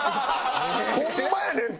ホンマやねんって！